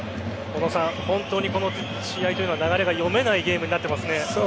本当にこの試合というのは流れが読めないゲームになっていますね。